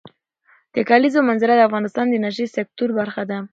د کلیزو منظره د افغانستان د انرژۍ سکتور برخه ده.